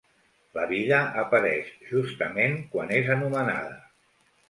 La vida apareix justament quan és anomenada.